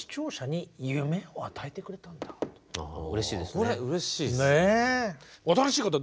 これうれしいっす。